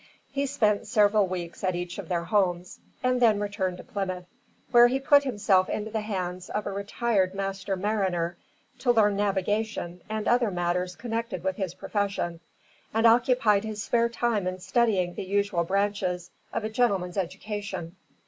He spent several weeks at each of their homes, and then returned to Plymouth, where he put himself into the hands of a retired master mariner, to learn navigation and other matters connected with his profession, and occupied his spare time in studying the usual branches of a gentleman's education.